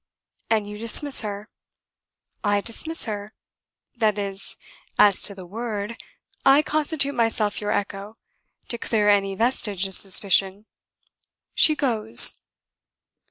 "And you dismiss her." "I dismiss her. That is, as to the word, I constitute myself your echo, to clear any vestige of suspicion. She goes."